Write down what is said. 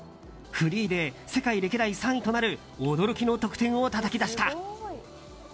フリーで世界歴代３位となる驚きの得点をたたき出した。